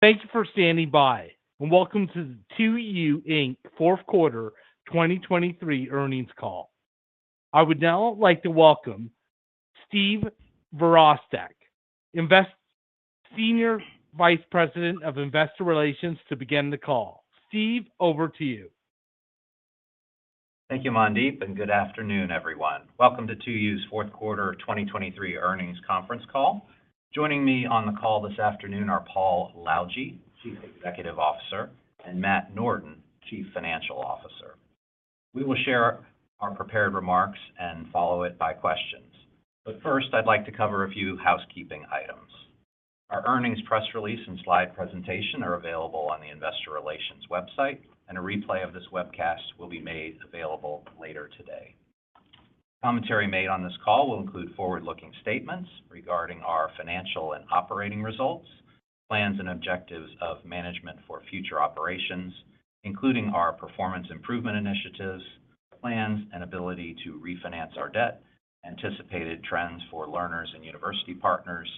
Thank you for standing by, and welcome to the 2U, Inc. Q4 2023 earnings call. I would now like to welcome Steve Virostek, Senior Vice President of Investor Relations, to begin the call. Steve, over to you. Thank you, Mandeep, and good afternoon, everyone. Welcome to 2U's Q4 2023 earnings conference call. Joining me on the call this afternoon are Paul Lalljie, Chief Executive Officer, and Matt Norden, Chief Financial Officer. We will share our prepared remarks and follow it by questions. But first, I'd like to cover a few housekeeping items. Our earnings press release and slide presentation are available on the Investor Relations website, and a replay of this webcast will be made available later today. Commentary made on this call will include forward-looking statements regarding our financial and operating results, plans and objectives of management for future operations, including our performance improvement initiatives, plans and ability to refinance our debt, anticipated trends for learners and university partners,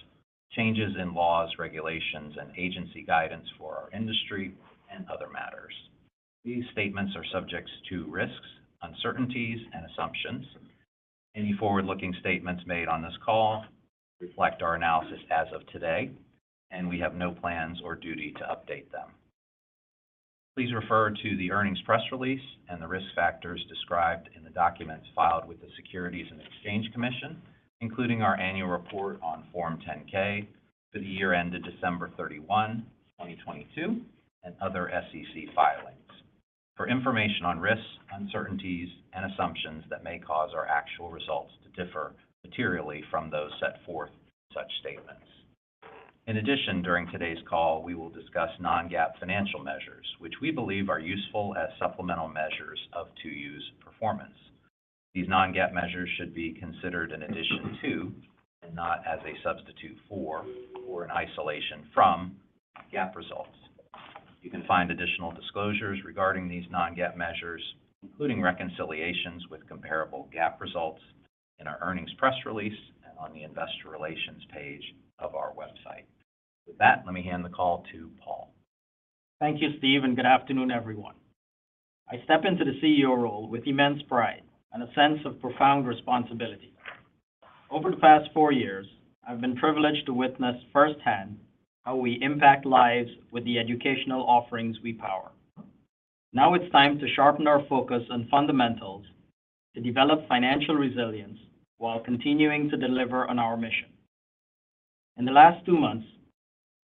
changes in laws, regulations, and agency guidance for our industry, and other matters. These statements are subject to risks, uncertainties, and assumptions. Any forward-looking statements made on this call reflect our analysis as of today, and we have no plans or duty to update them. Please refer to the earnings press release and the risk factors described in the documents filed with the Securities and Exchange Commission, including our annual report on Form 10-K for the year ended December 31, 2022, and other SEC filings. For information on risks, uncertainties, and assumptions that may cause our actual results to differ materially from those set forth in such statements. In addition, during today's call we will discuss non-GAAP financial measures, which we believe are useful as supplemental measures of 2U's performance. These non-GAAP measures should be considered an addition to, and not as a substitute for, or an isolation from, GAAP results. You can find additional disclosures regarding these non-GAAP measures, including reconciliations with comparable GAAP results, in our earnings press release and on the Investor Relations page of our website. With that, let me hand the call to Paul. Thank you, Steve, and good afternoon, everyone. I step into the CEO role with immense pride and a sense of profound responsibility. Over the past 4 years, I've been privileged to witness firsthand how we impact lives with the educational offerings we power. Now it's time to sharpen our focus on fundamentals to develop financial resilience while continuing to deliver on our mission. In the last 2 months,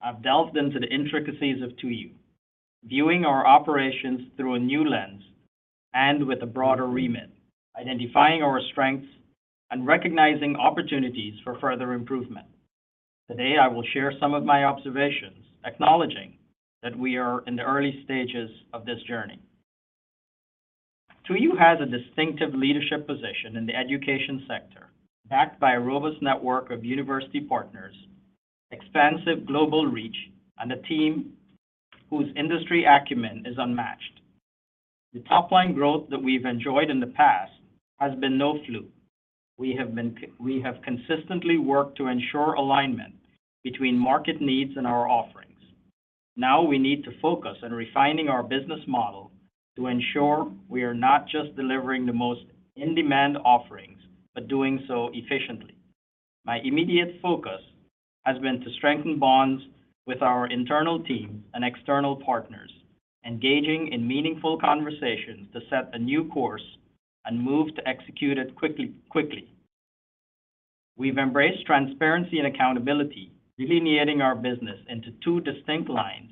I've delved into the intricacies of 2U, viewing our operations through a new lens and with a broader remit, identifying our strengths and recognizing opportunities for further improvement. Today I will share some of my observations, acknowledging that we are in the early stages of this journey. 2U has a distinctive leadership position in the education sector, backed by a robust network of university partners, expansive global reach, and a team whose industry acumen is unmatched. The top-line growth that we've enjoyed in the past has been no fluke. We have consistently worked to ensure alignment between market needs and our offerings. Now we need to focus on refining our business model to ensure we are not just delivering the most in-demand offerings but doing so efficiently. My immediate focus has been to strengthen bonds with our internal team and external partners, engaging in meaningful conversations to set a new course and move to execute it quickly. We've embraced transparency and accountability, delineating our business into two distinct lines,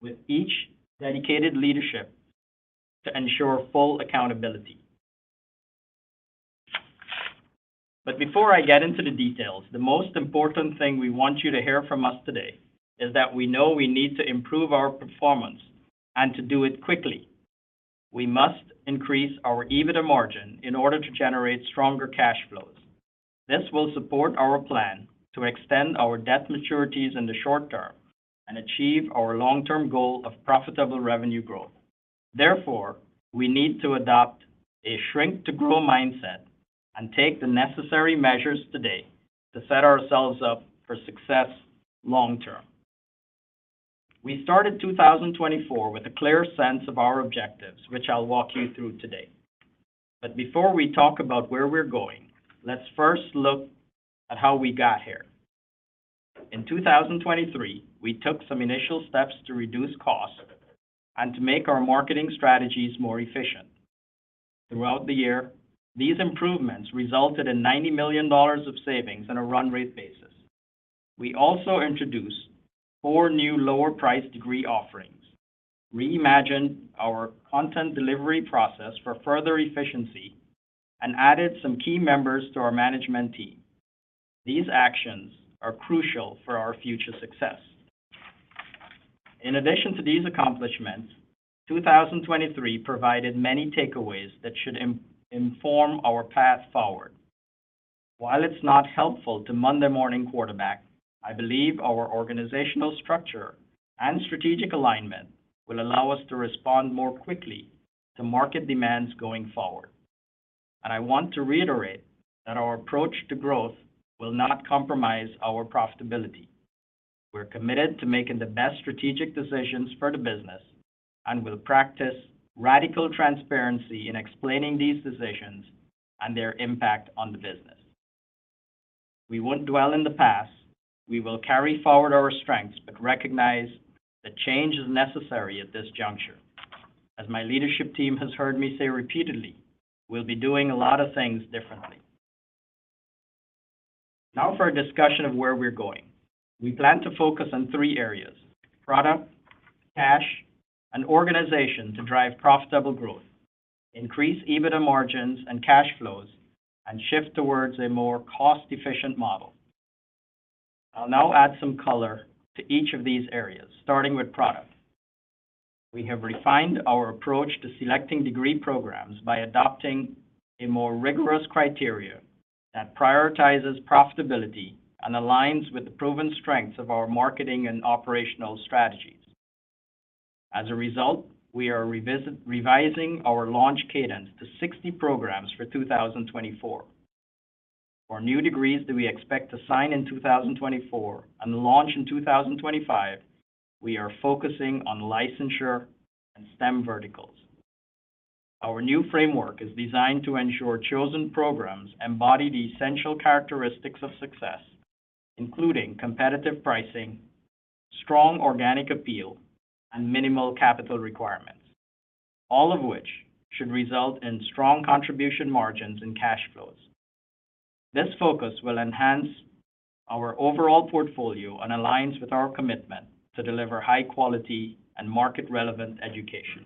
with each dedicated leadership to ensure full accountability. But before I get into the details, the most important thing we want you to hear from us today is that we know we need to improve our performance and to do it quickly. We must increase our EBITDA margin in order to generate stronger cash flows. This will support our plan to extend our debt maturities in the short term and achieve our long-term goal of profitable revenue growth. Therefore, we need to adopt a shrink-to-grow mindset and take the necessary measures today to set ourselves up for success long term. We started 2024 with a clear sense of our objectives, which I'll walk you through today. But before we talk about where we're going, let's first look at how we got here. In 2023, we took some initial steps to reduce costs and to make our marketing strategies more efficient. Throughout the year, these improvements resulted in $90 million of savings on a run-rate basis. We also introduced four new lower-price degree offerings, reimagined our content delivery process for further efficiency, and added some key members to our management team. These actions are crucial for our future success. In addition to these accomplishments, 2023 provided many takeaways that should inform our path forward. While it's not helpful to Monday morning quarterback, I believe our organizational structure and strategic alignment will allow us to respond more quickly to market demands going forward. And I want to reiterate that our approach to growth will not compromise our profitability. We're committed to making the best strategic decisions for the business and will practice radical transparency in explaining these decisions and their impact on the business. We won't dwell in the past. We will carry forward our strengths but recognize that change is necessary at this juncture. As my leadership team has heard me say repeatedly, we'll be doing a lot of things differently. Now for a discussion of where we're going. We plan to focus on three areas: product, cash, and organization to drive profitable growth, increase EBITDA margins and cash flows, and shift towards a more cost-efficient model. I'll now add some color to each of these areas, starting with product. We have refined our approach to selecting degree programs by adopting a more rigorous criteria that prioritizes profitability and aligns with the proven strengths of our marketing and operational strategies. As a result, we are revising our launch cadence to 60 programs for 2024. For new degrees that we expect to sign in 2024 and launch in 2025, we are focusing on licensure and STEM verticals. Our new framework is designed to ensure chosen programs embody the essential characteristics of success, including competitive pricing, strong organic appeal, and minimal capital requirements, all of which should result in strong contribution margins and cash flows. This focus will enhance our overall portfolio and aligns with our commitment to deliver high-quality and market-relevant education.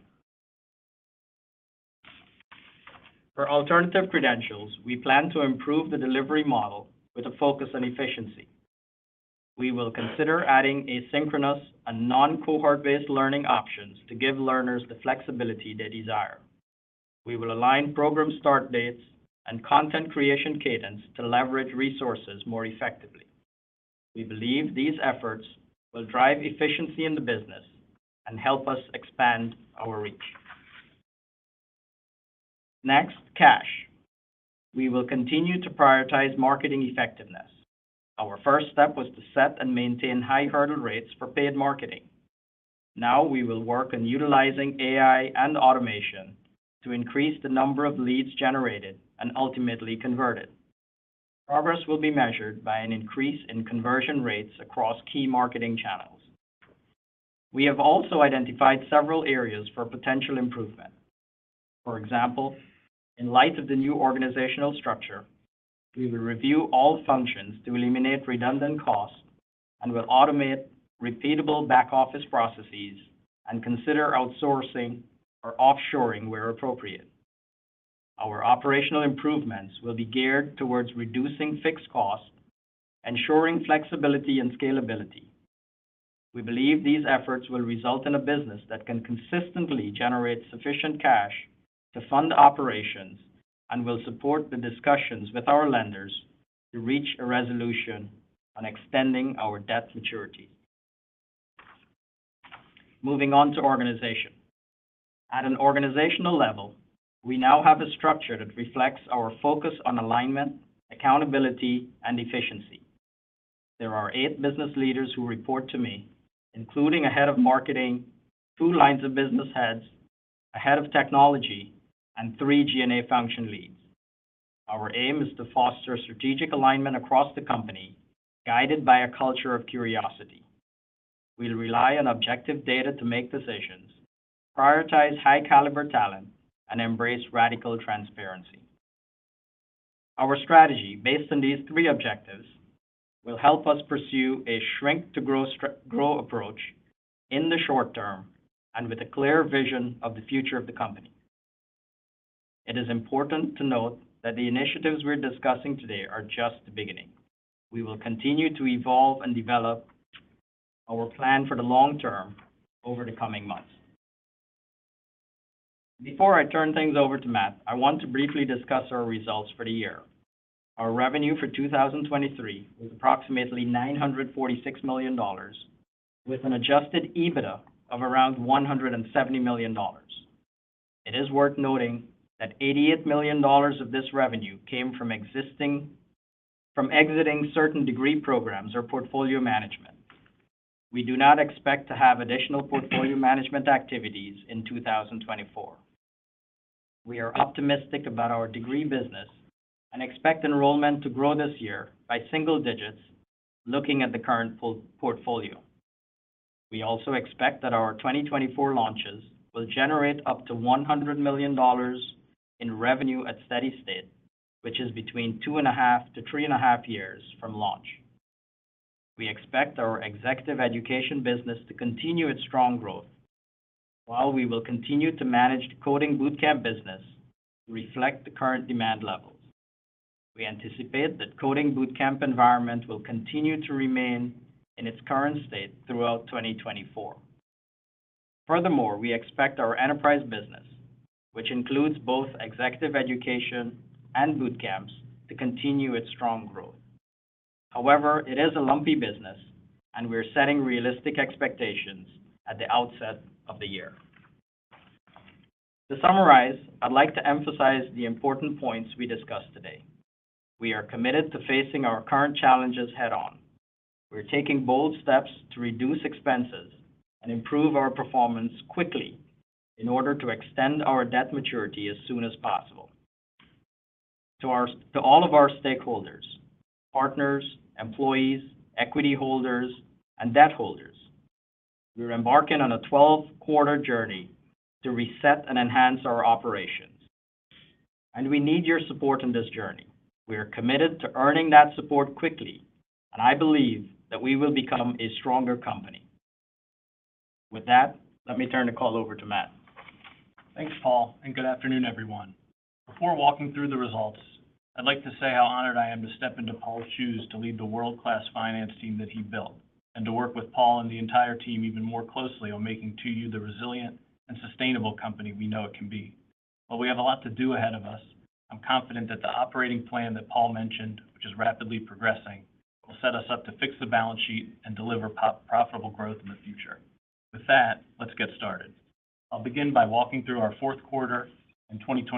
For alternative credentials, we plan to improve the delivery model with a focus on efficiency. We will consider adding asynchronous and non-cohort-based learning options to give learners the flexibility they desire. We will align program start dates and content creation cadence to leverage resources more effectively. We believe these efforts will drive efficiency in the business and help us expand our reach. Next, cash. We will continue to prioritize marketing effectiveness. Our first step was to set and maintain high hurdle rates for paid marketing. Now we will work on utilizing AI and automation to increase the number of leads generated and ultimately converted. Progress will be measured by an increase in conversion rates across key marketing channels. We have also identified several areas for potential improvement. For example, in light of the new organizational structure, we will review all functions to eliminate redundant costs and will automate repeatable back-office processes and consider outsourcing or offshoring where appropriate. Our operational improvements will be geared toward reducing fixed costs, ensuring flexibility and scalability. We believe these efforts will result in a business that can consistently generate sufficient cash to fund operations and will support the discussions with our lenders to reach a resolution on extending our debt maturities. Moving on to organization. At an organizational level, we now have a structure that reflects our focus on alignment, accountability, and efficiency. There are eight business leaders who report to me, including a head of marketing, two lines of business heads, a head of technology, and three G&A function leads. Our aim is to foster strategic alignment across the company, guided by a culture of curiosity. We'll rely on objective data to make decisions, prioritize high-caliber talent, and embrace radical transparency. Our strategy, based on these three objectives, will help us pursue a shrink-to-grow approach in the short term and with a clear vision of the future of the company. It is important to note that the initiatives we're discussing today are just the beginning. We will continue to evolve and develop our plan for the long term over the coming months. Before I turn things over to Matt, I want to briefly discuss our results for the year. Our revenue for 2023 was approximately $946 million, with an Adjusted EBITDA of around $170 million. It is worth noting that $88 million of this revenue came from exiting certain degree programs or portfolio management. We do not expect to have additional portfolio management activities in 2024. We are optimistic about our degree business and expect enrollment to grow this year by single digits, looking at the current portfolio. We also expect that our 2024 launches will generate up to $100 million in revenue at steady state, which is between 2.5-3.5 years from launch. We expect our executive education business to continue its strong growth, while we will continue to manage the coding bootcamp business to reflect the current demand levels. We anticipate that the coding bootcamp environment will continue to remain in its current state throughout 2024. Furthermore, we expect our enterprise business, which includes both executive education and bootcamps, to continue its strong growth. However, it is a lumpy business, and we're setting realistic expectations at the outset of the year. To summarize, I'd like to emphasize the important points we discussed today. We are committed to facing our current challenges head-on. We're taking bold steps to reduce expenses and improve our performance quickly in order to extend our debt maturity as soon as possible. To all of our stakeholders, partners, employees, equity holders, and debt holders, we're embarking on a 12-quarter journey to reset and enhance our operations. We need your support in this journey. We are committed to earning that support quickly, and I believe that we will become a stronger company. With that, let me turn the call over to Matt. Thanks, Paul, and good afternoon, everyone. Before walking through the results, I'd like to say how honored I am to step into Paul's shoes to lead the world-class finance team that he built and to work with Paul and the entire team even more closely on making 2U the resilient and sustainable company we know it can be. While we have a lot to do ahead of us, I'm confident that the operating plan that Paul mentioned, which is rapidly progressing, will set us up to fix the balance sheet and deliver profitable growth in the future. With that, let's get started. I'll begin by walking through our Q4 in 2024.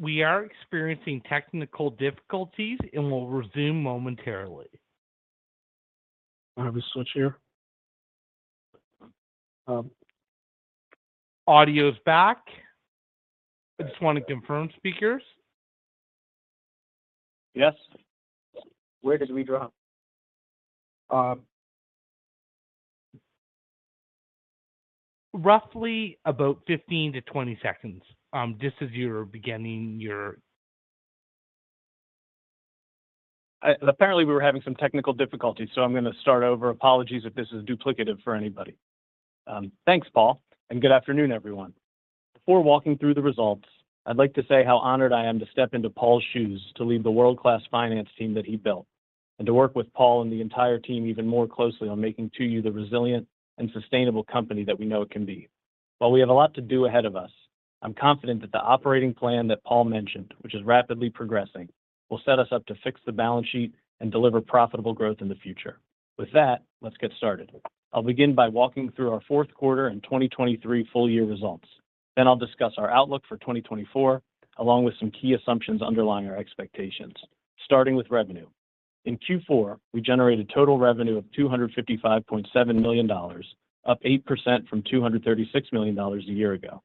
We are experiencing technical difficulties and will resume momentarily. Can I have a switch here? Audio's back. I just want to confirm speakers. Yes. Where did we drop? Roughly about 15-20 seconds, just as you were beginning your. Apparently, we were having some technical difficulties, so I'm going to start over. Apologies if this is duplicative for anybody. Thanks, Paul, and good afternoon, everyone. Before walking through the results, I'd like to say how honored I am to step into Paul's shoes to lead the world-class finance team that he built and to work with Paul and the entire team even more closely on making 2U the resilient and sustainable company that we know it can be. While we have a lot to do ahead of us, I'm confident that the operating plan that Paul mentioned, which is rapidly progressing, will set us up to fix the balance sheet and deliver profitable growth in the future. With that, let's get started. I'll begin by walking through our Q4 in 2023 full-year results. Then I'll discuss our outlook for 2024 along with some key assumptions underlying our expectations, starting with revenue. In Q4, we generated total revenue of $255.7 million, up 8% from $236 million a year ago.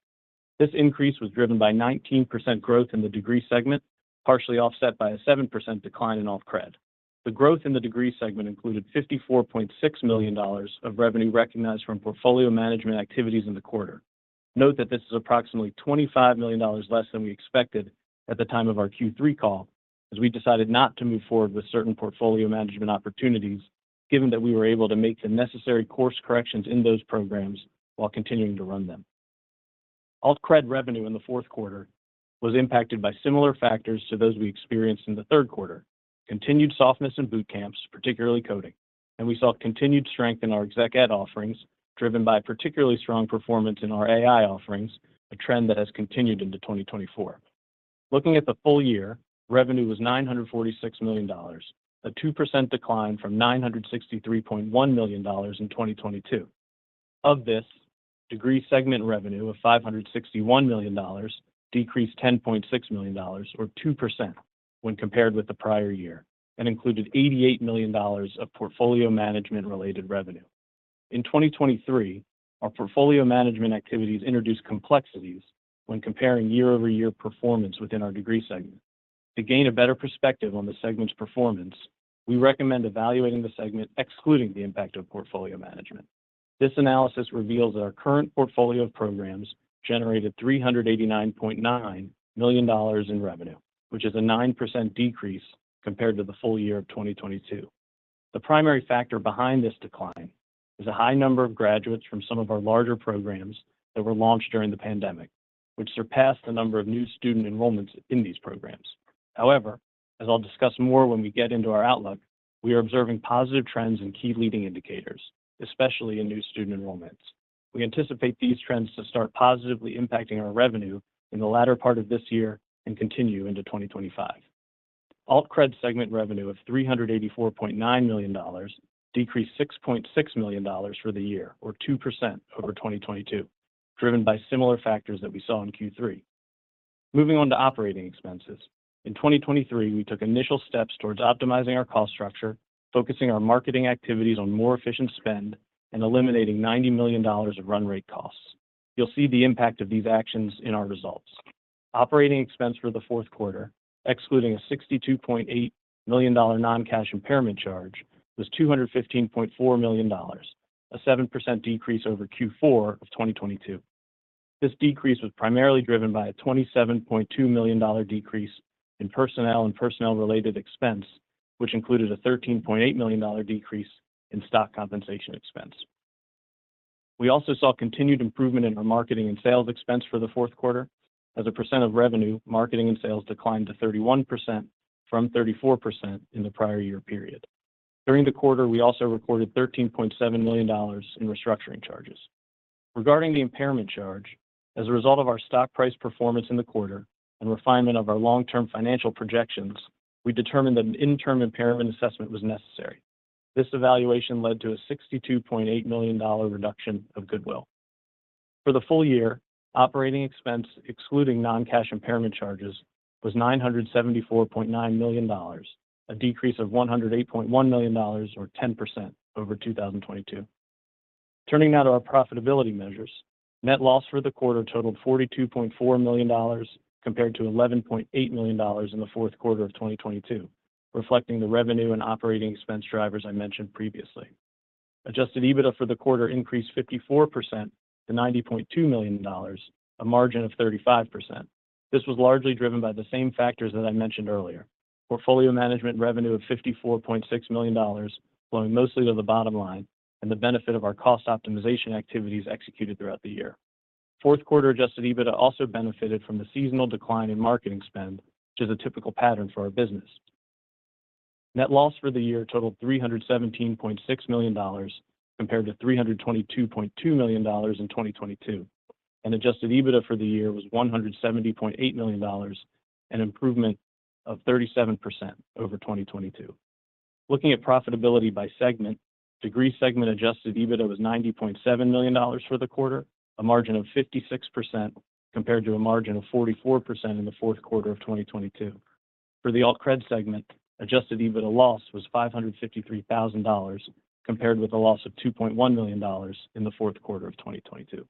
This increase was driven by 19% growth in the degree segment, partially offset by a 7% decline in off-credit. The growth in the degree segment included $54.6 million of revenue recognized from portfolio management activities in the quarter. Note that this is approximately $25 million less than we expected at the time of our Q3 call, as we decided not to move forward with certain portfolio management opportunities given that we were able to make the necessary course corrections in those programs while continuing to run them. Off-credit revenue in the Q4 was impacted by similar factors to those we experienced in the Q3: continued softness in bootcamps, particularly coding. We saw continued strength in our exec ed offerings, driven by particularly strong performance in our AI offerings, a trend that has continued into 2024. Looking at the full year, revenue was $946 million, a 2% decline from $963.1 million in 2022. Of this, degree segment revenue of $561 million decreased $10.6 million, or 2%, when compared with the prior year, and included $88 million of portfolio management-related revenue. In 2023, our portfolio management activities introduced complexities when comparing year-over-year performance within our degree segment. To gain a better perspective on the segment's performance, we recommend evaluating the segment excluding the impact of portfolio management. This analysis reveals that our current portfolio of programs generated $389.9 million in revenue, which is a 9% decrease compared to the full year of 2022. The primary factor behind this decline is a high number of graduates from some of our larger programs that were launched during the pandemic, which surpassed the number of new student enrollments in these programs. However, as I'll discuss more when we get into our outlook, we are observing positive trends in key leading indicators, especially in new student enrollments. We anticipate these trends to start positively impacting our revenue in the latter part of this year and continue into 2025. Off-credit segment revenue of $384.9 million decreased $6.6 million for the year, or 2%, over 2022, driven by similar factors that we saw in Q3. Moving on to operating expenses. In 2023, we took initial steps towards optimizing our cost structure, focusing our marketing activities on more efficient spend, and eliminating $90 million of run-rate costs. You'll see the impact of these actions in our results. Operating expense for the Q4, excluding a $62.8 million non-cash impairment charge, was $215.4 million, a 7% decrease over Q4 of 2022. This decrease was primarily driven by a $27.2 million decrease in personnel and personnel-related expense, which included a $13.8 million decrease in stock compensation expense. We also saw continued improvement in our marketing and sales expense for the Q4, as a percent of revenue, marketing, and sales declined to 31% from 34% in the prior year period. During the quarter, we also recorded $13.7 million in restructuring charges. Regarding the impairment charge, as a result of our stock price performance in the quarter and refinement of our long-term financial projections, we determined that an interim impairment assessment was necessary. This evaluation led to a $62.8 million reduction of goodwill. For the full year, operating expense excluding non-cash impairment charges was $974.9 million, a decrease of $108.1 million, or 10%, over 2022. Turning now to our profitability measures, net loss for the quarter totaled $42.4 million compared to $11.8 million in the Q4 of 2022, reflecting the revenue and operating expense drivers I mentioned previously. Adjusted EBITDA for the quarter increased 54% to $90.2 million, a margin of 35%. This was largely driven by the same factors that I mentioned earlier: portfolio management revenue of $54.6 million flowing mostly to the bottom line and the benefit of our cost optimization activities executed throughout the year. Fourth-quarter adjusted EBITDA also benefited from the seasonal decline in marketing spend, which is a typical pattern for our business. Net loss for the year totaled $317.6 million compared to $322.2 million in 2022, and Adjusted EBITDA for the year was $170.8 million, an improvement of 37% over 2022. Looking at profitability by segment, Degree segment Adjusted EBITDA was $90.7 million for the quarter, a margin of 56% compared to a margin of 44% in the Q4 of 2022. For the Alternative Credential segment, Adjusted EBITDA loss was $553,000 compared with a loss of $2.1 million in the Q4 of 2022.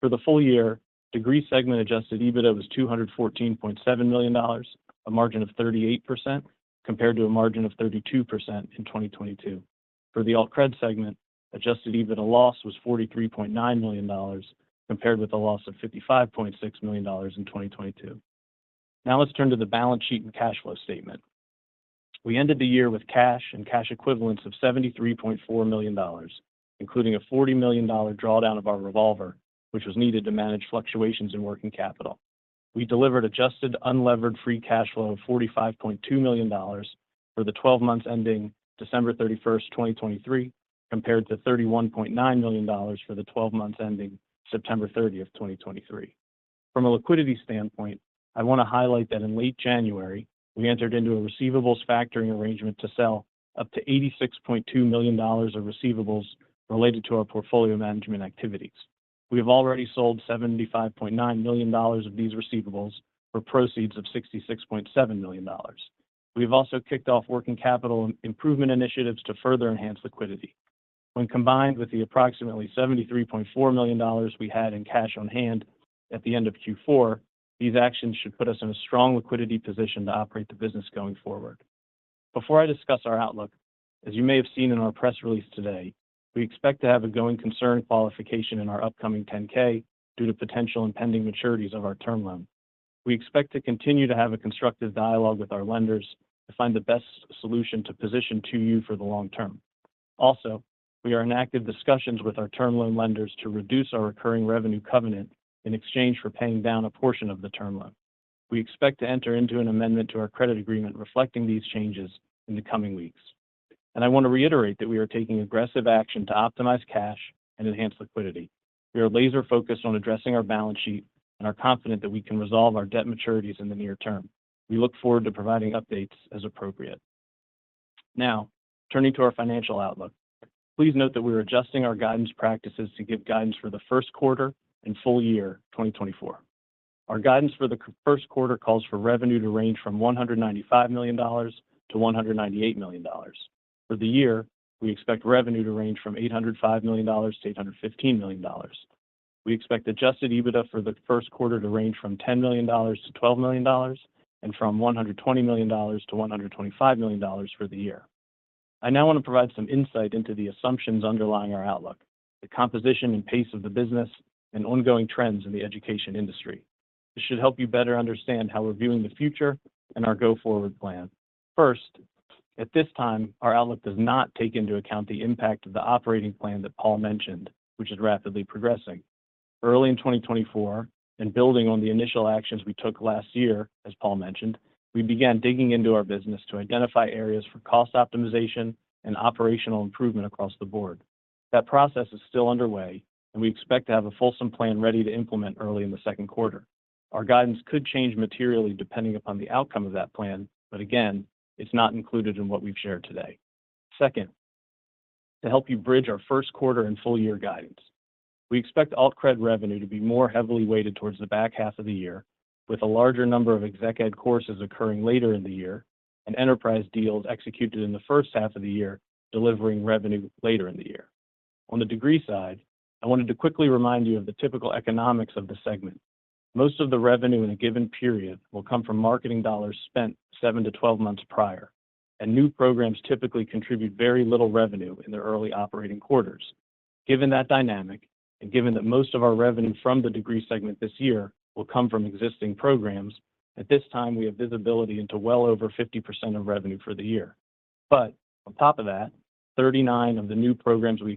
For the full year, Degree segment Adjusted EBITDA was $214.7 million, a margin of 38% compared to a margin of 32% in 2022. For the Alternative Credential segment, Adjusted EBITDA loss was $43.9 million compared with a loss of $55.6 million in 2022. Now let's turn to the balance sheet and cash flow statement. We ended the year with cash and cash equivalents of $73.4 million, including a $40 million drawdown of our revolver, which was needed to manage fluctuations in working capital. We delivered adjusted unlevered free cash flow of $45.2 million for the 12 months ending December 31st, 2023, compared to $31.9 million for the 12 months ending September 30th, 2023. From a liquidity standpoint, I want to highlight that in late January, we entered into a receivables factoring arrangement to sell up to $86.2 million of receivables related to our portfolio management activities. We have already sold $75.9 million of these receivables for proceeds of $66.7 million. We have also kicked off working capital improvement initiatives to further enhance liquidity. When combined with the approximately $73.4 million we had in cash on hand at the end of Q4, these actions should put us in a strong liquidity position to operate the business going forward. Before I discuss our outlook, as you may have seen in our press release today, we expect to have a going concern qualification in our upcoming 10-K due to potential impending maturities of our term loan. We expect to continue to have a constructive dialogue with our lenders to find the best solution to position 2U for the long term. Also, we are in active discussions with our term loan lenders to reduce our recurring revenue covenant in exchange for paying down a portion of the term loan. We expect to enter into an amendment to our credit agreement reflecting these changes in the coming weeks. I want to reiterate that we are taking aggressive action to optimize cash and enhance liquidity. We are laser-focused on addressing our balance sheet and are confident that we can resolve our debt maturities in the near term. We look forward to providing updates as appropriate. Now, turning to our financial outlook. Please note that we are adjusting our guidance practices to give guidance for the Q1 and full year 2024. Our guidance for the Q1 calls for revenue to range from $195 million-$198 million. For the year, we expect revenue to range from $805 million-$815 million. We expect adjusted EBITDA for the Q1 to range from $10 million-$12 million and from $120 million-$125 million for the year. I now want to provide some insight into the assumptions underlying our outlook, the composition and pace of the business, and ongoing trends in the education industry. This should help you better understand how we're viewing the future and our go-forward plan. First, at this time, our outlook does not take into account the impact of the operating plan that Paul mentioned, which is rapidly progressing. Early in 2024, and building on the initial actions we took last year, as Paul mentioned, we began digging into our business to identify areas for cost optimization and operational improvement across the board. That process is still underway, and we expect to have a fulsome plan ready to implement early in the Q2. Our guidance could change materially depending upon the outcome of that plan, but again, it's not included in what we've shared today. Second, to help you bridge our Q1 and full year guidance. We expect off-credit revenue to be more heavily weighted towards the back half of the year, with a larger number of exec ed courses occurring later in the year and enterprise deals executed in the H1 of the year delivering revenue later in the year. On the degree side, I wanted to quickly remind you of the typical economics of the segment. Most of the revenue in a given period will come from marketing dollars spent 7-12 months prior, and new programs typically contribute very little revenue in their early operating quarters. Given that dynamic and given that most of our revenue from the degree segment this year will come from existing programs, at this time we have visibility into well over 50% of revenue for the year. But on top of that, 39 of the new programs we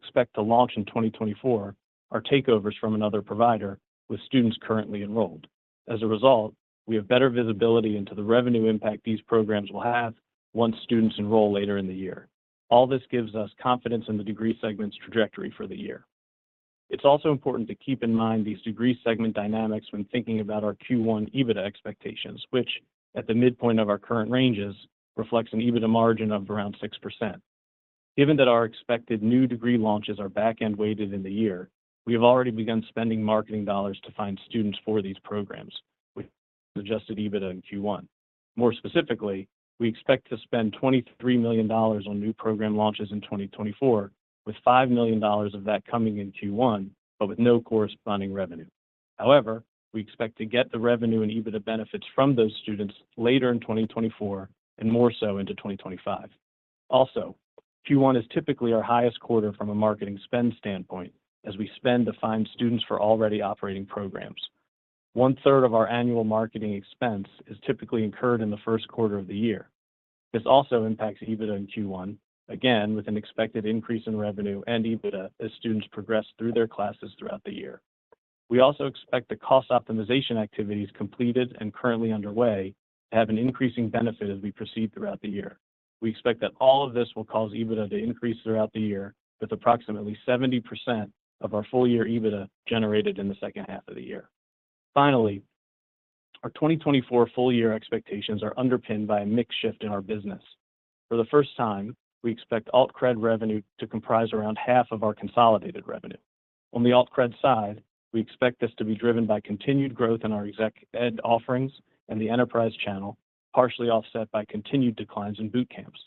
expect to launch in 2024 are takeovers from another provider with students currently enrolled. As a result, we have better visibility into the revenue impact these programs will have once students enroll later in the year. All this gives us confidence in the degree segment's trajectory for the year. It's also important to keep in mind these degree segment dynamics when thinking about our Q1 EBITDA expectations, which, at the midpoint of our current ranges, reflects an EBITDA margin of around 6%. Given that our expected new degree launches are back-end weighted in the year, we have already begun spending marketing dollars to find students for these programs, which is adjusted EBITDA in Q1. More specifically, we expect to spend $23 million on new program launches in 2024, with $5 million of that coming in Q1 but with no corresponding revenue. However, we expect to get the revenue and EBITDA benefits from those students later in 2024 and more so into 2025. Also, Q1 is typically our highest quarter from a marketing spend standpoint, as we spend to find students for already operating programs. One-third of our annual marketing expense is typically incurred in the Q1 of the year. This also impacts EBITDA in Q1, again with an expected increase in revenue and EBITDA as students progress through their classes throughout the year. We also expect the cost optimization activities completed and currently underway to have an increasing benefit as we proceed throughout the year. We expect that all of this will cause EBITDA to increase throughout the year with approximately 70% of our full year EBITDA generated in the second half of the year. Finally, our 2024 full year expectations are underpinned by a mix shift in our business. For the first time, we expect off-credit revenue to comprise around half of our consolidated revenue. On the off-credit side, we expect this to be driven by continued growth in our exec ed offerings and the enterprise channel, partially offset by continued declines in boot camps.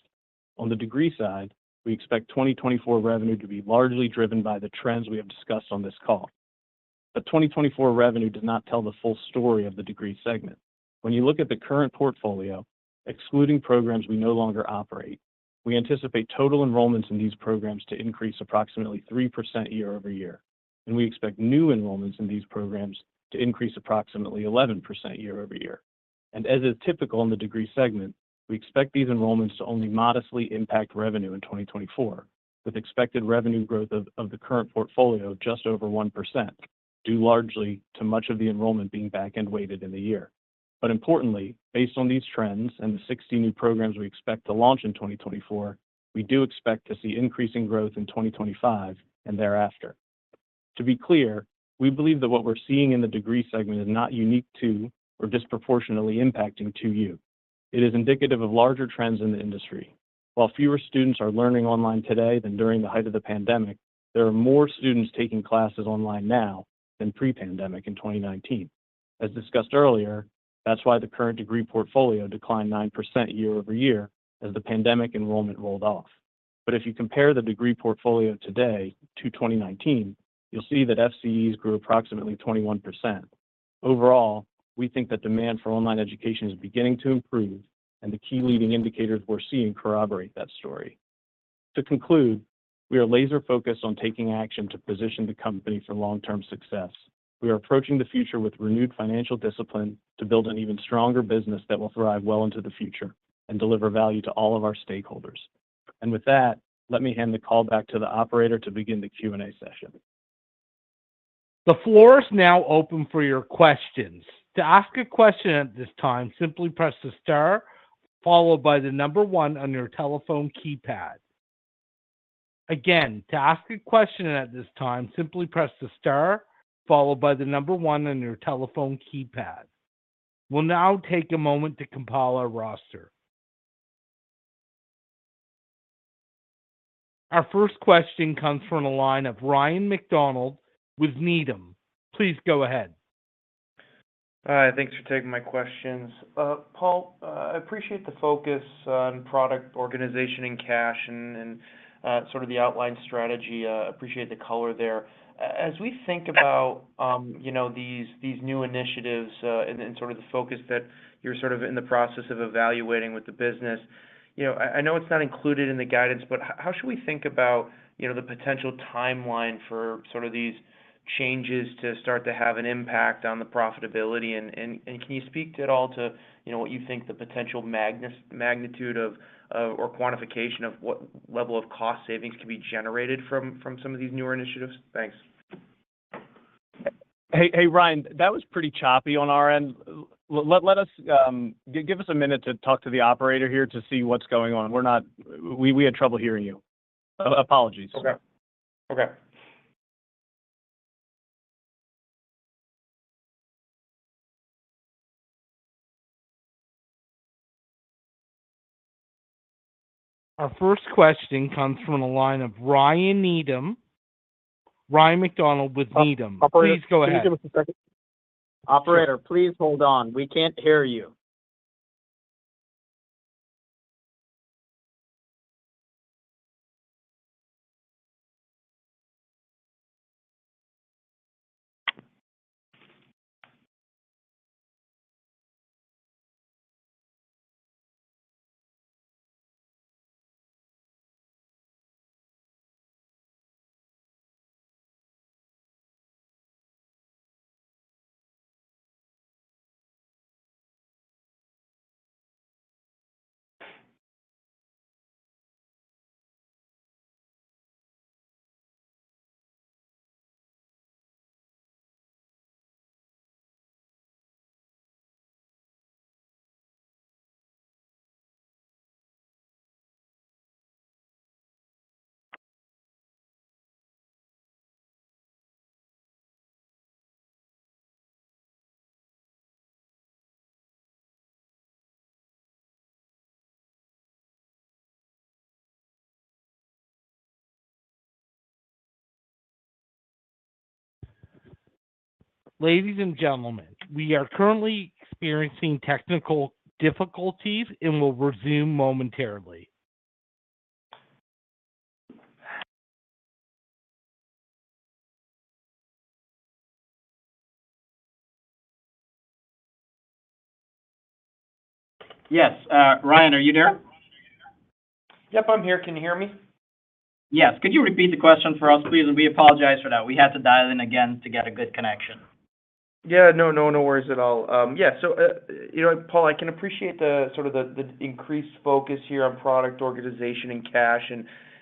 On the degree side, we expect 2024 revenue to be largely driven by the trends we have discussed on this call. But 2024 revenue does not tell the full story of the degree segment. When you look at the current portfolio, excluding programs we no longer operate, we anticipate total enrollments in these programs to increase approximately 3% year-over-year, and we expect new enrollments in these programs to increase approximately 11% year-over-year. And as is typical in the degree segment, we expect these enrollments to only modestly impact revenue in 2024, with expected revenue growth of the current portfolio just over 1% due largely to much of the enrollment being back-end weighted in the year. But importantly, based on these trends and the 60 new programs we expect to launch in 2024, we do expect to see increasing growth in 2025 and thereafter. To be clear, we believe that what we're seeing in the degree segment is not unique to or disproportionately impacting 2U. It is indicative of larger trends in the industry. While fewer students are learning online today than during the height of the pandemic, there are more students taking classes online now than pre-pandemic in 2019. As discussed earlier, that's why the current degree portfolio declined 9% year-over-year as the pandemic enrollment rolled off. But if you compare the degree portfolio today to 2019, you'll see that FCEs grew approximately 21%. Overall, we think that demand for online education is beginning to improve, and the key leading indicators we're seeing corroborate that story. To conclude, we are laser-focused on taking action to position the company for long-term success. We are approaching the future with renewed financial discipline to build an even stronger business that will thrive well into the future and deliver value to all of our stakeholders. With that, let me hand the call back to the operator to begin the Q&A session. The floor is now open for your questions. To ask a question at this time, simply press the star, followed by the number 1 on your telephone keypad. Again, to ask a question at this time, simply press the star, followed by the number 1 on your telephone keypad. We'll now take a moment to compile our roster. Our first question comes from a line of Ryan MacDonald with Needham. Please go ahead. Hi. Thanks for taking my questions. Paul, I appreciate the focus on product organization and cash and sort of the outline strategy. I appreciate the color there. As we think about these new initiatives and sort of the focus that you're sort of in the process of evaluating with the business, I know it's not included in the guidance, but how should we think about the potential timeline for sort of these changes to start to have an impact on the profitability? And can you speak at all to what you think the potential magnitude of or quantification of what level of cost savings can be generated from some of these newer initiatives? Thanks. Hey, Ryan. That was pretty choppy on our end. Give us a minute to talk to the operator here to see what's going on. We had trouble hearing you. Apologies. Okay. Okay. Our first question comes from a line of Ryan MacDonald with Needham. Please go ahead. Operator, please hold on. We can't hear you. Ladies and gentlemen, we are currently experiencing technical difficulties and will resume momentarily. Yes. Ryan, are you there? Yep, I'm here. Can you hear me? Yes. Could you repeat the question for us, please? We apologize for that. We had to dial in again to get a good connection. Yeah. No, no, no worries at all. Yeah. So, Paul, I can appreciate sort of the increased focus here on product organization and cash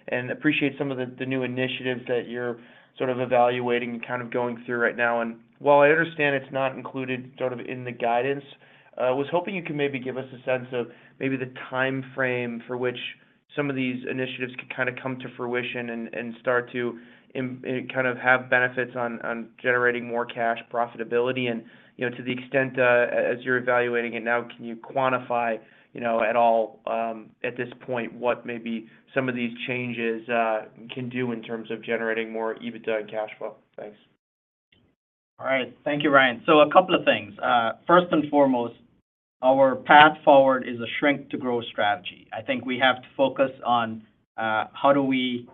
and appreciate some of the new initiatives that you're sort of evaluating and kind of going through right now. While I understand it's not included sort of in the guidance, I was hoping you could maybe give us a sense of maybe the time frame for which some of these initiatives could kind of come to fruition and start to kind of have benefits on generating more cash profitability. And to the extent as you're evaluating it now, can you quantify at all at this point what maybe some of these changes can do in terms of generating more EBITDA and cash flow? Thanks. All right. Thank you, Ryan. So a couple of things. First and foremost, our path forward is a shrink-to-grow strategy. I think we have to focus on how do we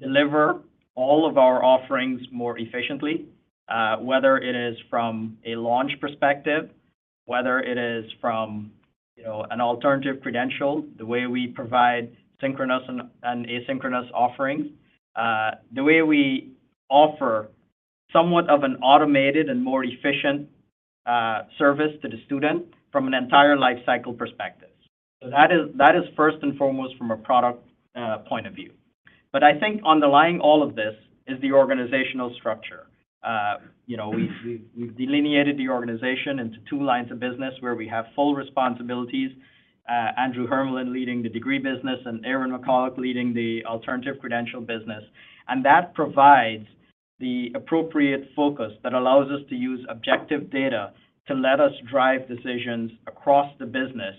deliver all of our offerings more efficiently, whether it is from a launch perspective, whether it is from an alternative credential, the way we provide synchronous and asynchronous offerings, the way we offer somewhat of an automated and more efficient service to the student from an entire lifecycle perspective. So that is first and foremost from a product point of view. But I think underlying all of this is the organizational structure. We've delineated the organization into two lines of business where we have full responsibilities, Andrew Hermalyn leading the degree business and Aaron McCullough leading the alternative credential business. And that provides the appropriate focus that allows us to use objective data to let us drive decisions across the business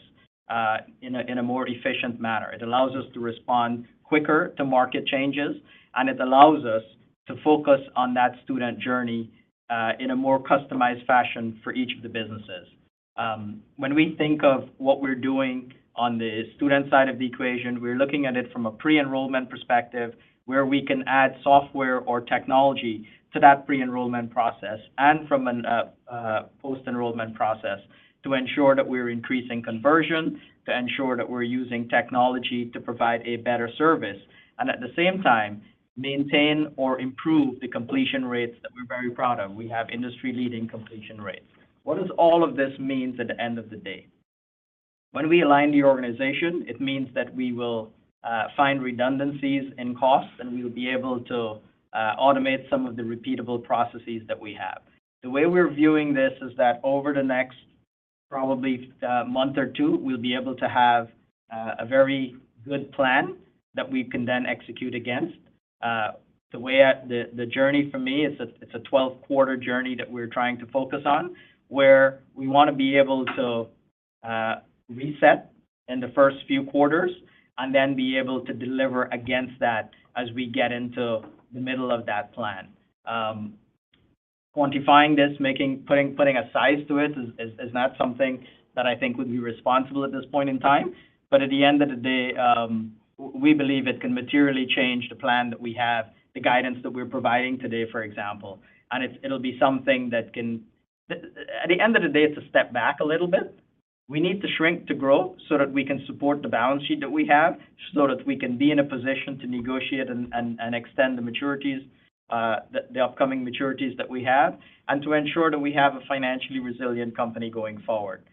in a more efficient manner. It allows us to respond quicker to market changes, and it allows us to focus on that student journey in a more customized fashion for each of the businesses. When we think of what we're doing on the student side of the equation, we're looking at it from a pre-enrollment perspective where we can add software or technology to that pre-enrollment process and from a post-enrollment process to ensure that we're increasing conversion, to ensure that we're using technology to provide a better service, and at the same time, maintain or improve the completion rates that we're very proud of. We have industry-leading completion rates. What does all of this mean at the end of the day? When we align the organization, it means that we will find redundancies in costs, and we'll be able to automate some of the repeatable processes that we have. The way we're viewing this is that over the next probably month or two, we'll be able to have a very good plan that we can then execute against. The journey for me, it's a 12-quarter journey that we're trying to focus on where we want to be able to reset in the first few quarters and then be able to deliver against that as we get into the middle of that plan. Quantifying this, putting a size to it, is not something that I think would be responsible at this point in time. But at the end of the day, we believe it can materially change the plan that we have, the guidance that we're providing today, for example. And it'll be something that can at the end of the day, it's a step back a little bit. We need to shrink to grow so that we can support the balance sheet that we have, so that we can be in a position to negotiate and extend the upcoming maturities that we have, and to ensure that we have a financially resilient company going forward.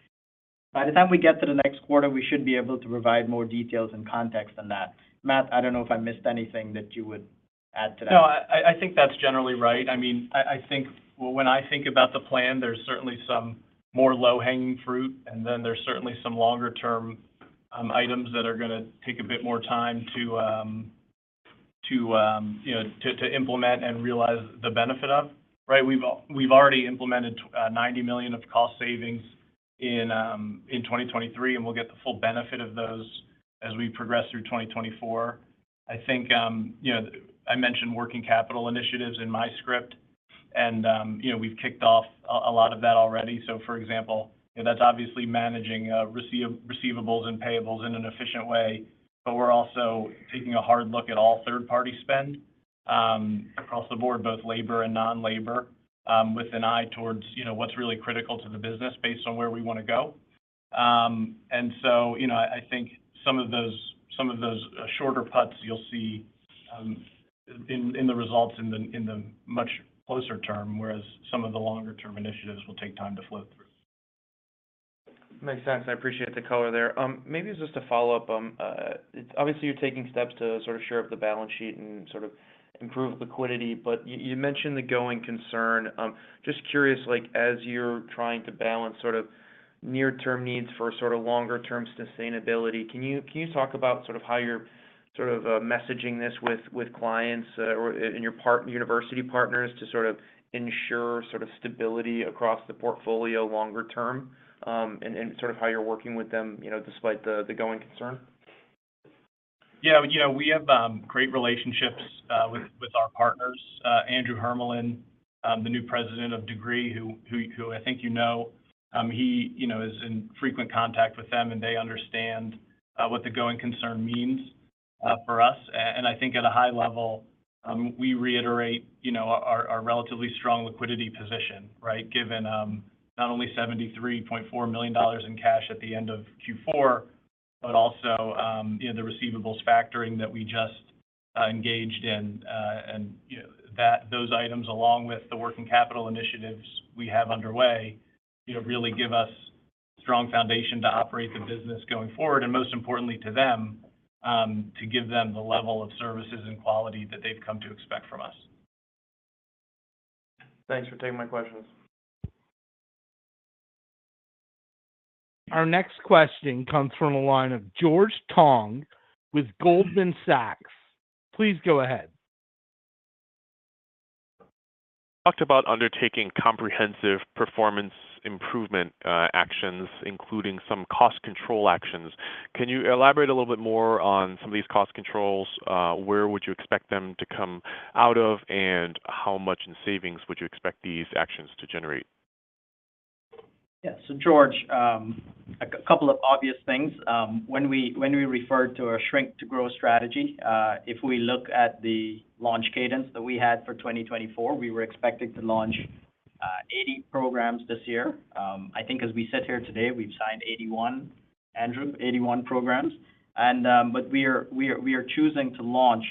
By the time we get to the next quarter, we should be able to provide more details and context on that. Matt, I don't know if I missed anything that you would add to that. No, I think that's generally right. I mean, when I think about the plan, there's certainly some more low-hanging fruit, and then there's certainly some longer-term items that are going to take a bit more time to implement and realize the benefit of, right? We've already implemented $90 million of cost savings in 2023, and we'll get the full benefit of those as we progress through 2024. I think I mentioned working capital initiatives in my script, and we've kicked off a lot of that already. So, for example, that's obviously managing receivables and payables in an efficient way. But we're also taking a hard look at all third-party spend across the board, both labor and non-labor, with an eye towards what's really critical to the business based on where we want to go. And so I think some of those shorter putts you'll see in the results in the much closer term, whereas some of the longer-term initiatives will take time to flow through. Makes sense. I appreciate the color there. Maybe just to follow up, obviously, you're taking steps to sort of shore up the balance sheet and sort of improve liquidity. But you mentioned the going concern. Just curious, as you're trying to balance sort of near-term needs for sort of longer-term sustainability, can you talk about sort of how you're sort of messaging this with clients and your university partners to sort of ensure sort of stability across the portfolio longer-term and sort of how you're working with them despite the going concern? Yeah. We have great relationships with our partners. Andrew Hermalyn, the new President of Degree, who I think you know, he is in frequent contact with them, and they understand what the going concern means for us. And I think at a high level, we reiterate our relatively strong liquidity position, right, given not only $73.4 in cash at the end of Q4 but also the receivables factoring that we just engaged in. And those items, along with the working capital initiatives we have underway, really give us a strong foundation to operate the business going forward and, most importantly, to them, to give them the level of services and quality that they've come to expect from us. Thanks for taking my questions. Our next question comes from a line of George Tong with Goldman Sachs. Please go ahead. Talked about undertaking comprehensive performance improvement actions, including some cost control actions. Can you elaborate a little bit more on some of these cost controls? Where would you expect them to come out of, and how much in savings would you expect these actions to generate? Yeah. So, George, a couple of obvious things. When we referred to a shrink-to-grow strategy, if we look at the launch cadence that we had for 2024, we were expected to launch 80 programs this year. I think as we sit here today, we've signed 81, Andrew, 81 programs. But we are choosing to launch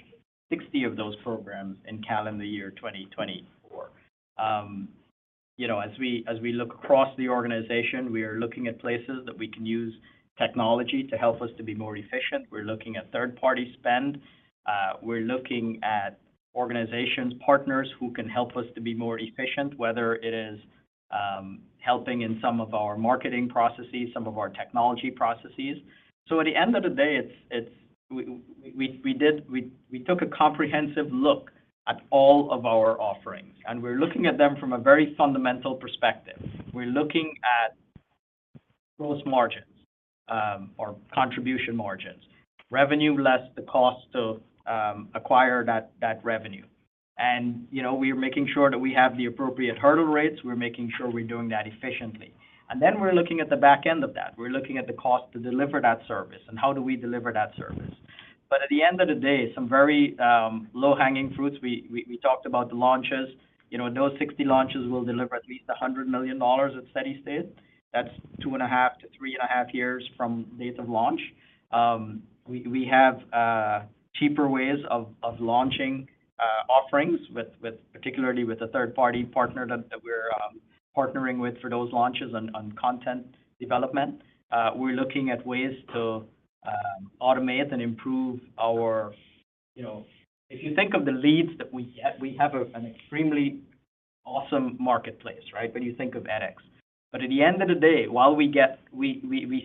60 of those programs in calendar year 2024. As we look across the organization, we are looking at places that we can use technology to help us to be more efficient. We're looking at third-party spend. We're looking at organizations, partners who can help us to be more efficient, whether it is helping in some of our marketing processes, some of our technology processes. So at the end of the day, we took a comprehensive look at all of our offerings, and we're looking at them from a very fundamental perspective. We're looking at gross margins or contribution margins, revenue less the cost to acquire that revenue. And we are making sure that we have the appropriate hurdle rates. We're making sure we're doing that efficiently. And then we're looking at the back end of that. We're looking at the cost to deliver that service and how do we deliver that service. But at the end of the day, some very low-hanging fruits. We talked about the launches. Those 60 launches will deliver at least $100 million at steady state. That's 2.5-3.5 years from date of launch. We have cheaper ways of launching offerings, particularly with a third-party partner that we're partnering with for those launches on content development. We're looking at ways to automate and improve our if you think of the leads that we get we have an extremely awesome marketplace, right, when you think of edX. But at the end of the day, while we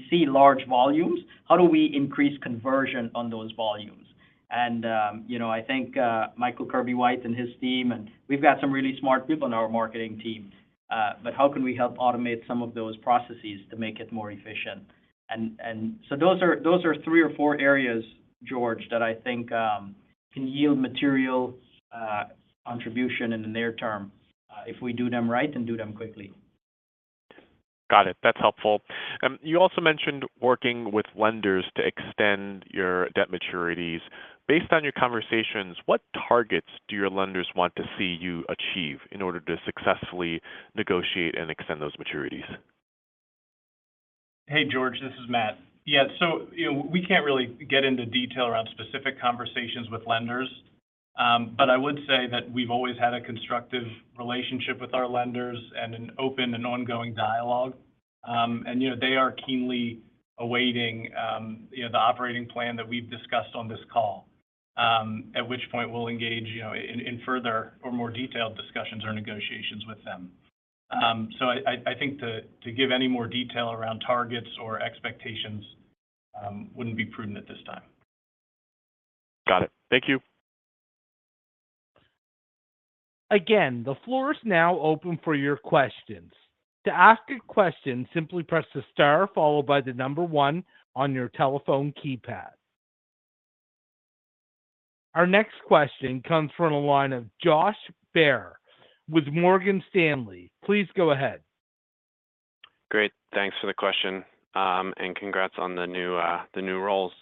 see large volumes, how do we increase conversion on those volumes? And I think Michael Kurbjeweit and his team and we've got some really smart people on our marketing team. But how can we help automate some of those processes to make it more efficient? And so those are three or four areas, George, that I think can yield material contribution in the near term if we do them right and do them quickly. Got it. That's helpful. You also mentioned working with lenders to extend your debt maturities. Based on your conversations, what targets do your lenders want to see you achieve in order to successfully negotiate and extend those maturities? Hey, George. This is Matt. Yeah. So we can't really get into detail around specific conversations with lenders. But I would say that we've always had a constructive relationship with our lenders and an open and ongoing dialogue. And they are keenly awaiting the operating plan that we've discussed on this call, at which point we'll engage in further or more detailed discussions or negotiations with them. So I think to give any more detail around targets or expectations wouldn't be prudent at this time. Got it. Thank you. Again, the floor is now open for your questions. To ask a question, simply press the star followed by the number 1 on your telephone keypad. Our next question comes from a line of Josh Baer with Morgan Stanley. Please go ahead. Great. Thanks for the question, and congrats on the new roles.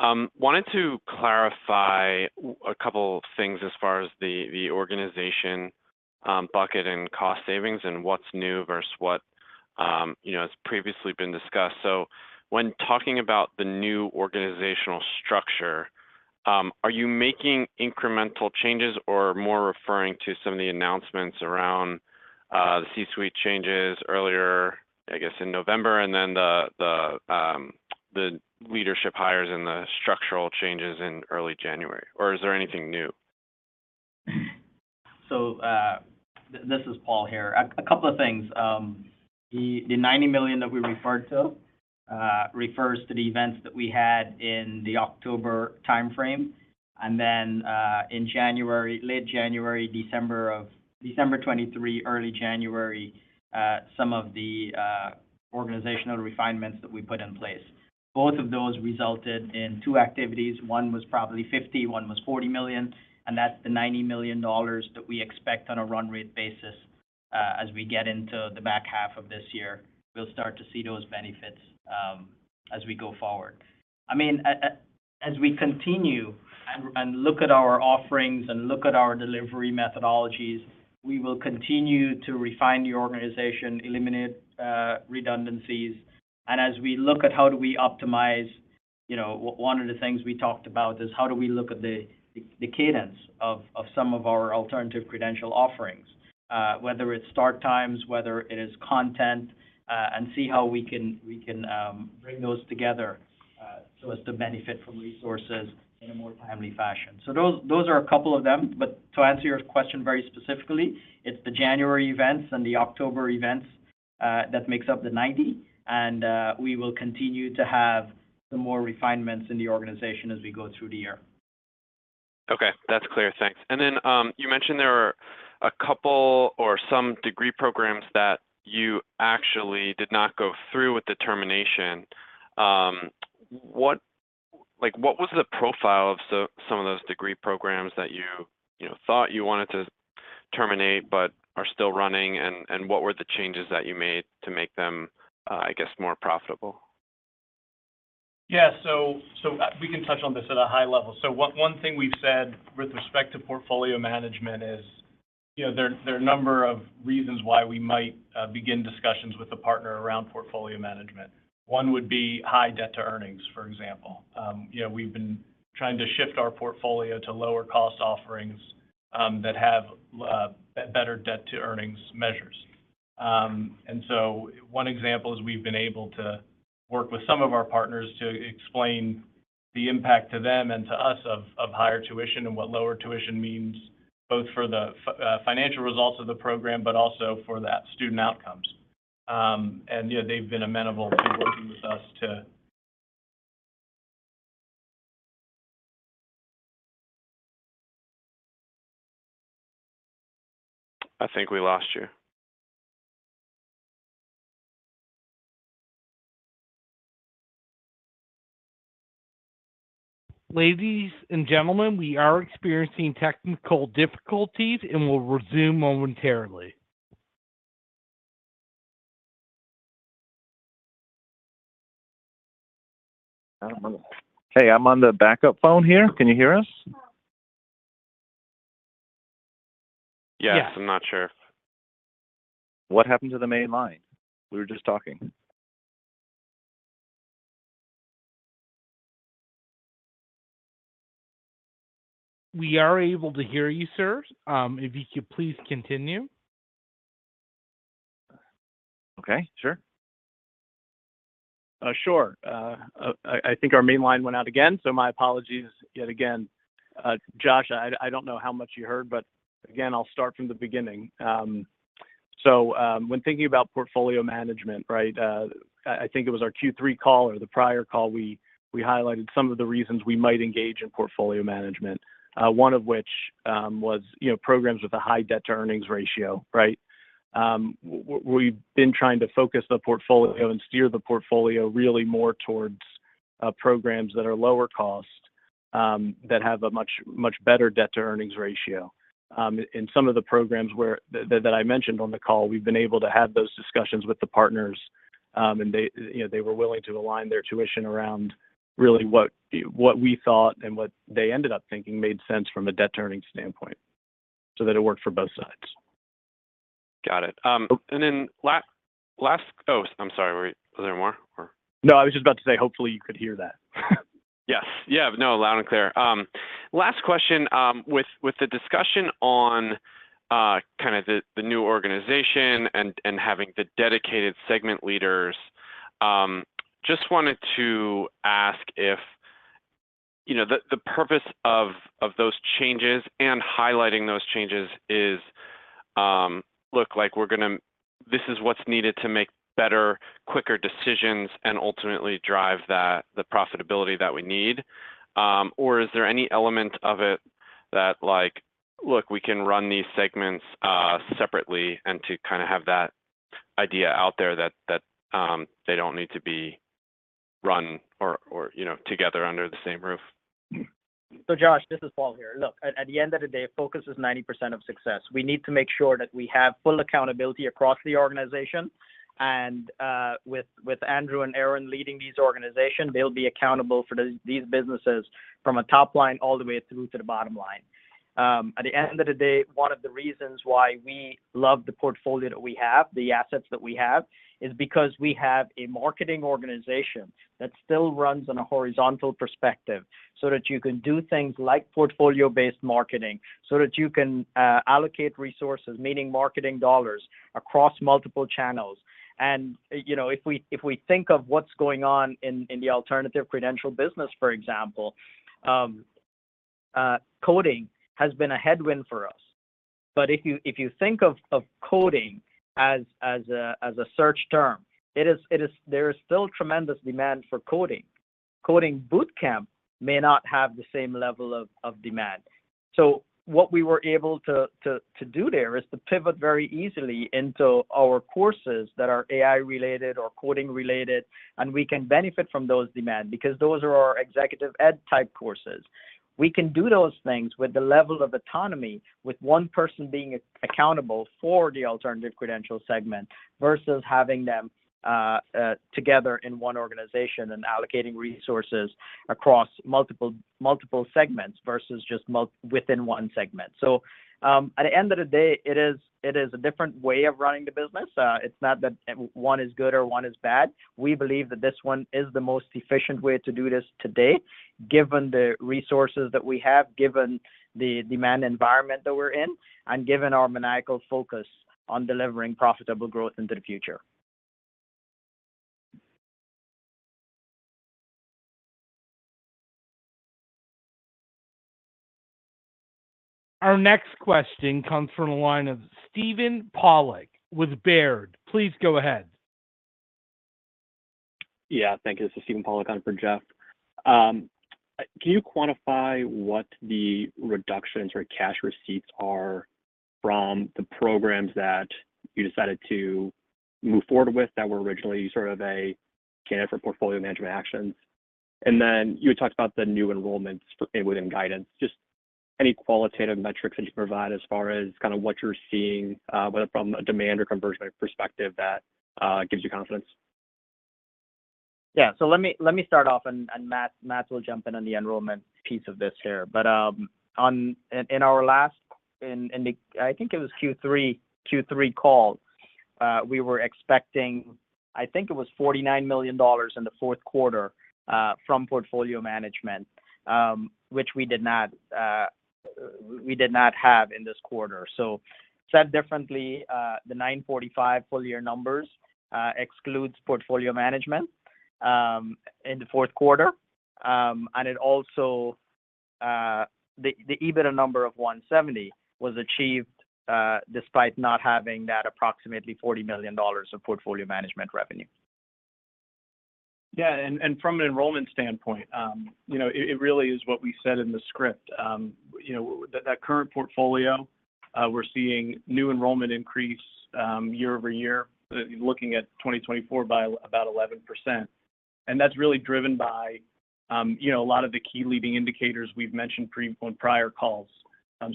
Wanted to clarify a couple of things as far as the organization bucket and cost savings and what's new versus what has previously been discussed. So when talking about the new organizational structure, are you making incremental changes or more referring to some of the announcements around the C-suite changes earlier, I guess, in November and then the leadership hires and the structural changes in early January? Or is there anything new? This is Paul here. A couple of things. The $90 million that we referred to refers to the events that we had in the October timeframe and then in January, late January, December 23, early January, some of the organizational refinements that we put in place. Both of those resulted in two activities. One was probably $50 million, one was $40 million. And that's the $90 million that we expect on a run-rate basis. As we get into the back half of this year, we'll start to see those benefits as we go forward. I mean, as we continue and look at our offerings and look at our delivery methodologies, we will continue to refine the organization, eliminate redundancies. And as we look at how do we optimize, one of the things we talked about is how do we look at the cadence of some of our alternative credential offerings, whether it's start times, whether it is content, and see how we can bring those together so as to benefit from resources in a more timely fashion. So those are a couple of them. But to answer your question very specifically, it's the January events and the October events that makes up the 90. And we will continue to have some more refinements in the organization as we go through the year. Okay. That's clear. Thanks. And then you mentioned there are a couple or some degree programs that you actually did not go through with the termination. What was the profile of some of those degree programs that you thought you wanted to terminate but are still running? And what were the changes that you made to make them, I guess, more profitable? Yeah. So we can touch on this at a high level. So one thing we've said with respect to portfolio management is there are a number of reasons why we might begin discussions with a partner around portfolio management. One would be high debt-to-earnings, for example. We've been trying to shift our portfolio to lower-cost offerings that have better debt-to-earnings measures. And so one example is we've been able to work with some of our partners to explain the impact to them and to us of higher tuition and what lower tuition means both for the financial results of the program but also for that student outcomes. And they've been amenable to working with us to. I think we lost you. Ladies and gentlemen, we are experiencing technical difficulties and will resume momentarily. Hey, I'm on the backup phone here. Can you hear us? Yes. I'm not sure. What happened to the main line? We were just talking. We are able to hear you, sir. If you could please continue. Okay. Sure. Sure. I think our main line went out again. So my apologies yet again. Josh, I don't know how much you heard, but again, I'll start from the beginning. So when thinking about portfolio management, right, I think it was our Q3 call or the prior call, we highlighted some of the reasons we might engage in portfolio management, one of which was programs with a high debt-to-earnings ratio, right? We've been trying to focus the portfolio and steer the portfolio really more towards programs that are lower-cost, that have a much better debt-to earnings ratio. In some of the programs that I mentioned on the call, we've been able to have those discussions with the partners, and they were willing to align their tuition around really what we thought and what they ended up thinking made sense from a debt-to-earnings standpoint so that it worked for both sides. Got it. And then last, oh, I'm sorry. Was there more, or? No, I was just about to say, hopefully, you could hear that. Yes. Yeah. No, loud and clear. Last question. With the discussion on kind of the new organization and having the dedicated segment leaders, just wanted to ask if the purpose of those changes and highlighting those changes is, "Look, we're going to this is what's needed to make better, quicker decisions and ultimately drive the profitability that we need." Or is there any element of it that, "Look, we can run these segments separately and to kind of have that idea out there that they don't need to be run together under the same roof"? So, Josh, this is Paul here. Look, at the end of the day, focus is 90% of success. We need to make sure that we have full accountability across the organization. With Andrew and Aaron leading this organization, they'll be accountable for these businesses from a top line all the way through to the bottom line. At the end of the day, one of the reasons why we love the portfolio that we have, the assets that we have, is because we have a marketing organization that still runs on a horizontal perspective so that you can do things like portfolio-based marketing, so that you can allocate resources, meaning marketing dollars, across multiple channels. If we think of what's going on in the alternative credential business, for example, coding has been a headwind for us. If you think of coding as a search term, there is still tremendous demand for coding. Coding bootcamp may not have the same level of demand. So what we were able to do there is to pivot very easily into our courses that are AI-related or coding-related, and we can benefit from those demands because those are our Executive Ed-type courses. We can do those things with the level of autonomy, with one person being accountable for the alternative credential segment versus having them together in one organization and allocating resources across multiple segments versus just within one segment. So at the end of the day, it is a different way of running the business. It's not that one is good or one is bad. We believe that this one is the most efficient way to do this today, given the resources that we have, given the demand environment that we're in, and given our maniacal focus on delivering profitable growth into the future. Our next question comes from a line of Steven Pawlak with Baird. Please go ahead. Yeah. Thank you. This is Steven Pawlak for Jeff. Can you quantify what the reductions or cash receipts are from the programs that you decided to move forward with that were originally sort of a candidate for portfolio management actions? And then you had talked about the new enrollments within guidance. Just any qualitative metrics that you provide as far as kind of what you're seeing, whether from a demand or conversion perspective, that gives you confidence? Yeah. So let me start off, and Matt will jump in on the enrollment piece of this here. But in our last I think it was Q3 call, we were expecting I think it was $49 million in the Q4 from portfolio management, which we did not have in this quarter. So said differently, the $945 full-year numbers excludes portfolio management in the Q4. The EBITDA number of $170 was achieved despite not having that approximately $40 million of portfolio management revenue. Yeah. And from an enrollment standpoint, it really is what we said in the script. That current portfolio, we're seeing new enrollment increase year-over-year, looking at 2024 by about 11%. And that's really driven by a lot of the key leading indicators we've mentioned on prior calls.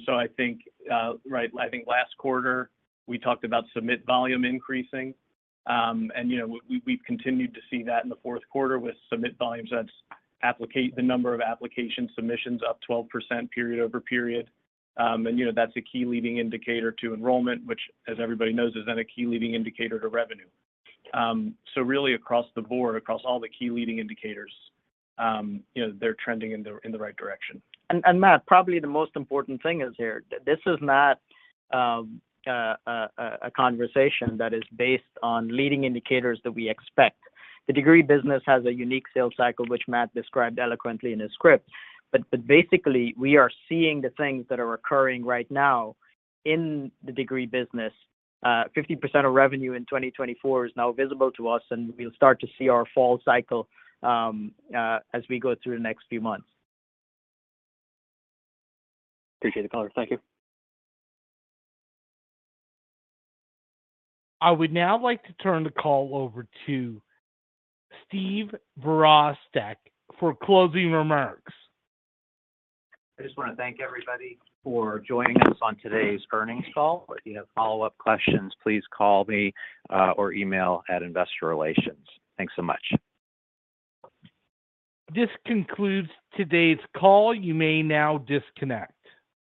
So I think last quarter, we talked about submit volume increasing. And we've continued to see that in the Q4 with submit volumes. That's the number of application submissions up 12% period-over-period. And that's a key leading indicator to enrollment, which, as everybody knows, is then a key leading indicator to revenue. So really, across the board, across all the key leading indicators, they're trending in the right direction. And Matt, probably the most important thing is here, this is not a conversation that is based on leading indicators that we expect. The degree business has a unique sales cycle, which Matt described eloquently in his script. But basically, we are seeing the things that are occurring right now in the degree business. 50% of revenue in 2024 is now visible to us, and we'll start to see our fall cycle as we go through the next few months. Appreciate it, Paul. Thank you. I would now like to turn the call over to Steve Virostek for closing remarks. I just want to thank everybody for joining us on today's earnings call. If you have follow-up questions, please call me or email at investor relations. Thanks so much. This concludes today's call. You may now disconnect.